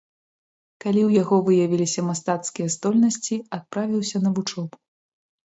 Калі ў яго выявіліся мастацкія здольнасці, адправіўся на вучобу.